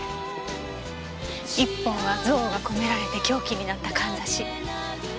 １本は憎悪が込められて凶器になったかんざし。